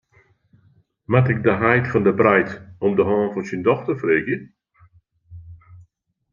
Moat ik de heit fan de breid om de hân fan syn dochter freegje?